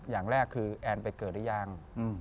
อย่างแรกคือแอนไปเกิดหรือยัง